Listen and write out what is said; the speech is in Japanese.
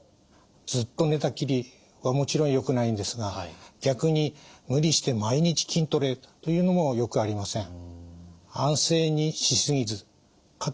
ずっと寝たきりはもちろんよくないんですが逆に無理して毎日筋トレというのもよくありません。